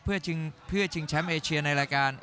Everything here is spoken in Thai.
เพื่อชิงแชมป์เอเชียในรายการ